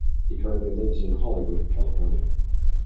He currently lives in Hollywood, California.